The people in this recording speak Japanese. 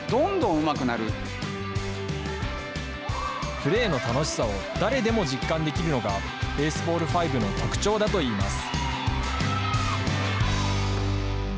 プレーの楽しさを誰でも実感できるのが、ベースボール５の特徴だといいます。